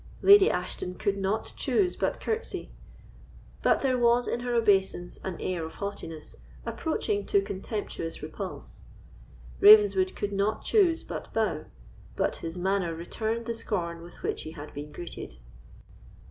Lady Ashton could not choose but courtesy; but there was in her obeisance an air of haughtiness approaching to contemptuous repulse. Ravenswood could not choose but bow; but his manner returned the scorn with which he had been greeted.